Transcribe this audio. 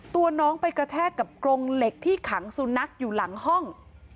ตัวน้องไปกระแทกกับกรงเหล็กที่ขังสุนัขอยู่หลังห้อง